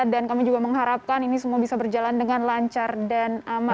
dan kami juga mengharapkan ini semua bisa berjalan dengan lancar dan aman